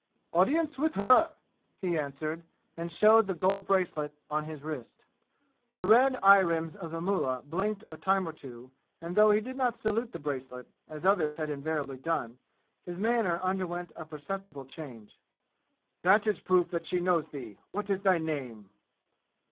"Audience with her!" he answered, and showed the gold bracelet on his wrist. The red eye rims of the mullah blinked a time or two, and though he did not salute the bracelet, as others had invariably done, his manner underwent a perceptible change. "That is proof that she knows thee. What is thy name."